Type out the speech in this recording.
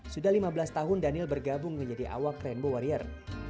sudah lima belas tahun daniel bergabung menjadi awak rainbow warrior